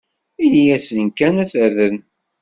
Ini-asen kan ad t-rren.